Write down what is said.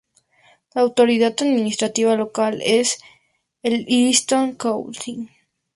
La autoridad administrativa local es el Islington Council.